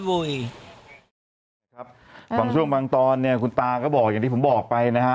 ครับบางช่วงบางตอนเนี่ยคุณตาก็บอกอย่างที่ผมบอกไปนะฮะ